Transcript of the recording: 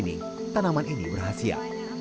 dan di sini tanaman ini berhasil